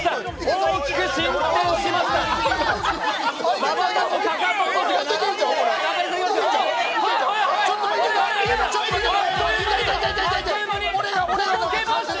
大きく進展しました。